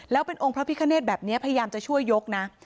แล้วเป็นองค์พระพิคเนธแบบนี้พยายามจะช่วยยกนะ